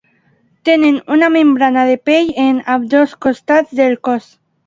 Tenen una membrana de pell en ambdós costats del cos.